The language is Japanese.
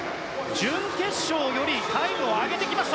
準決勝よりタイムを上げてきた。